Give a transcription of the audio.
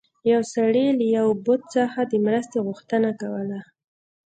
یو سړي له یو بت څخه د مرستې غوښتنه کوله.